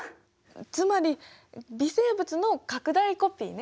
つまり微生物の拡大コピーね。